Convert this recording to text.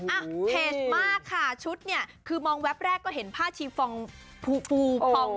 อ่ะเพจมากค่ะชุดเนี่ยคือมองแวบแรกก็เห็นผ้าชีฟองภูพอง